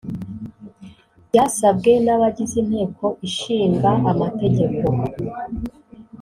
Byasabwe n’Abagize Inteko Ishinga Amategeko